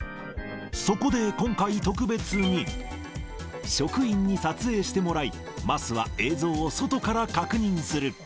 そこで今回、特別に、職員に撮影してもらい、桝は映像を外から確認する。